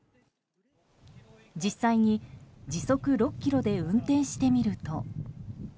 実際に時速６キロで運転してみると。